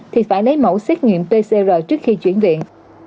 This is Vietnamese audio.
thì phải lấy mẫu xét nghiệm pcr trước khi chuyển viện